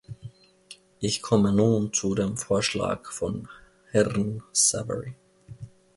Ich komme nun zu dem Vorschlag von Herrn Savary.